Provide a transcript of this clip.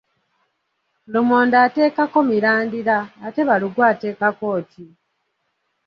Lumonde ateekako mirandira ate balugu ateekako ki?